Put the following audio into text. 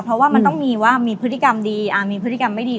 เพราะว่ามันต้องมีว่ามีพฤติกรรมดีมีพฤติกรรมไม่ดี